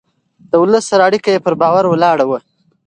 د ولس سره اړيکه يې پر باور ولاړه وه.